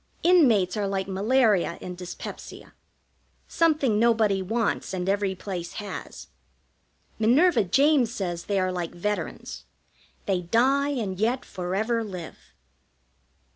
Inmates are like malaria and dyspepsia: something nobody wants and every place has. Minerva James says they are like veterans they die and yet forever live.